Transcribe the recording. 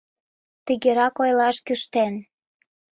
Тыгерак ойлаш кӱштен: